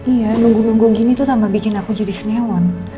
iya nunggu nunggu gini tuh sampai bikin aku jadi senemon